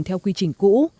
theo quy trình cũ